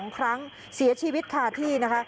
๒ครั้งเสียชีวิตคาที่นะคะ